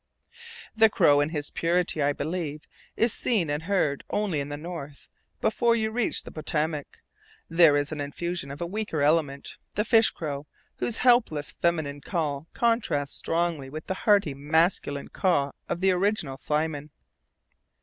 The crow in his purity, I believe, is seen and heard only in the North. Before you reach the Potomac there is an infusion of a weaker element, the fish crow, whose helpless feminine call contrasts strongly with the hearty masculine caw of the original Simon.